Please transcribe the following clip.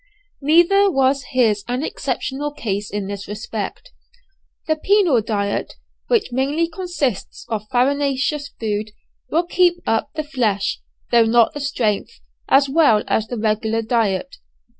Neither was his an exceptional case in this respect. The penal diet, which mainly consists of farinaceous food, will keep up the flesh, though not the strength, as well as the regular diet.